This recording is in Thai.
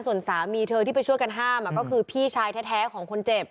ส่วนสามีเธอที่ไปช่วยกันห้ามก็คือพี่ชายแท้ของคนเจ็บ